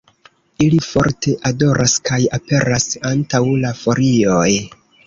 Ili forte odoras kaj aperas antaŭ la folioj.